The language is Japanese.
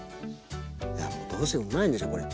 いやもうどうせうまいんでしょこれ。